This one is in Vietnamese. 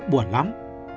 thì không biết làm gì